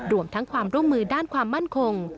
รวมทั้งความร่วมมือด้านความมั่นคง